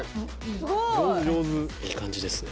すごい！いい感じですね。